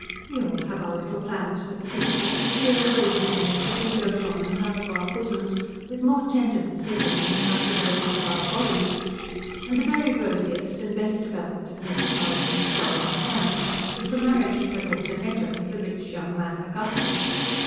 We all have our little plans for the future dear rosy things that we dote on and hug to our bosoms with more tenderness even than we hug the babies of our bodies, and the very rosiest and best developed of Mrs. Morrison's darling plans was the marriage of her daughter Netta with the rich young man Augustus.